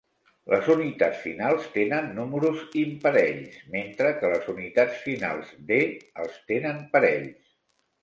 Les unitats finals tenen números imparells, mentre que les unitats finals D els tenen parells.